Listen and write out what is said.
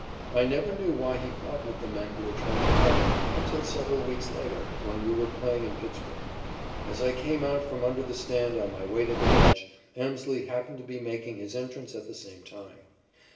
I never knew why he fought with the men who were trying to help him until several weeks later, when we were playing in Pittsburg. As I came out from under the stand on my way to the bench, Emslie happened to be making his entrance at the same time.